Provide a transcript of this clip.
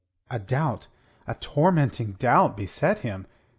A doubt, a tormenting doubt beset him.